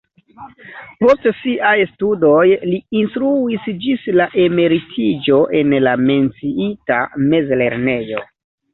Post siaj studoj li instruis ĝis la emeritiĝo en la menciita mezlernejo.